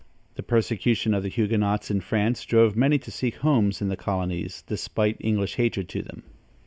The persecution of the Huguenots in France drove many to seek homes in the colonies, despite English hatred to them.